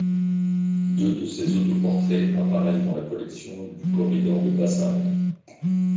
Deux de ses autoportraits apparaissent dans la collection du Corridor de Vasari.